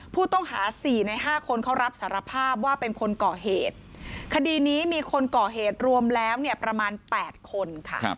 ผู้ต้องหา๔ใน๕คนเขารับสารภาพว่าเป็นคนก่อเหตุคดีนี้มีคนก่อเหตุรวมแล้วเนี่ยประมาณ๘คนค่ะ